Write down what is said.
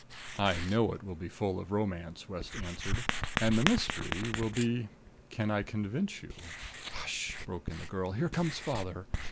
"I know it will be full of romance," West answered. "And the mystery will be can I convince you " "Hush!" broke in the girl. "Here comes father!